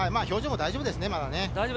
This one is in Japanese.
表情も大丈夫ですね。